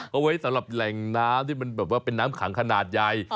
เอาไว้สำหรับแหล่งน้ำที่มันแบบว่าเป็นน้ำขังขนาดใหญ่